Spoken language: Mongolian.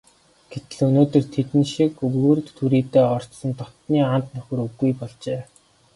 Гэтэл өнөөдөр тэдэн шиг өвөр түрийдээ орсон дотнын анд нөхөд үгүй болжээ.